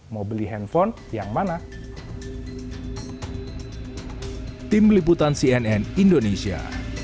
mau beli handphone yang mana